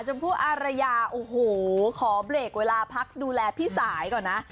ชมพู่อารยาโอ้โหขอเบรกเวลาพักดูแลพี่สายก่อนนะ